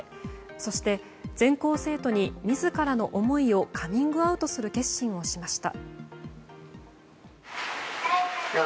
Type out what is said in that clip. そして、全校生徒に自らの思いをカミングアウトする決心をしました。